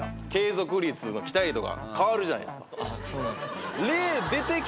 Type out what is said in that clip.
そうなんすね。